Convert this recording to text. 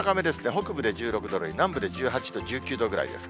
北部で１６度、南部で１８度、１９度ぐらいです。